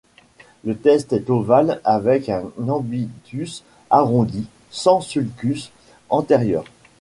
Le test est ovale avec un ambitus arrondi, sans sulcus antérieur.